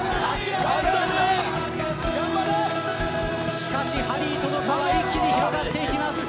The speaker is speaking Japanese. しかし、ハリーとの差は一気に広がっていきます。